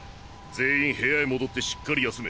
全員部屋へ戻ってしっかり休め。